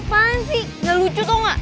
apaan sih gak lucu toh gak